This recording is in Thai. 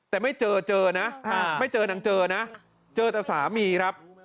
แต่ไม่เจอเจอนะไม่เจอนางเจอนะเจอแต่สามีครับ